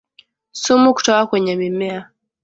Sumu kutoka kwenye mimea